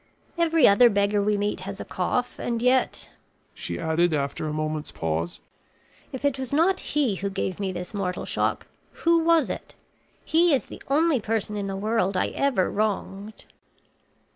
Every other beggar we meet has a cough; and yet," she added after a moment's pause, "if it was not he who gave me this mortal shock, who was it? He is the only person in the world I ever wronged."